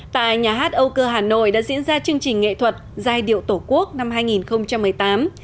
tại nhà hát âu cơ hà nội đã diễn ra chương trình nghệ thuật giai điệu tổ quốc năm hai nghìn một mươi tám